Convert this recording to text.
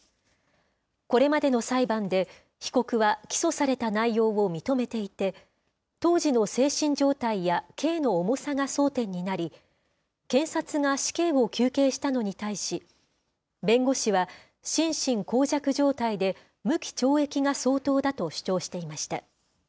これまでの裁判で、被告は起訴された内容を認めていて、当時の精神状態や刑の重さが争点になり、検察が死刑を求刑したのに対し、弁護士は、心神耗弱状態で、無期懲役が相当だと主張していました。